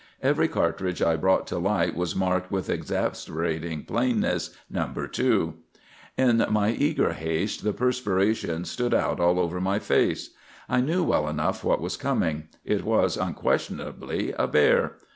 Every cartridge I brought to light was marked, with exasperating plainness, No. 2. "In my eager haste the perspiration stood out all over my face. I knew well enough what was coming. It was unquestionably a bear.